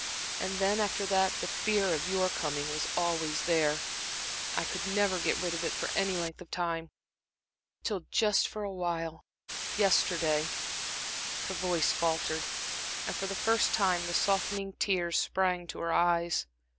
And then, after that, the fear of your coming was always there I could never get rid of it for any length of time, till just for a while yesterday" Her voice faltered, and for the first time the softening tears sprang to her eyes.